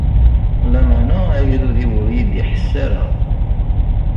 Lameɛna agdud-iw ur iyi-d-iḥess ara.